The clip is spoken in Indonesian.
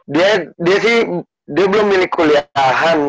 dia sih dia belum milih kuliahan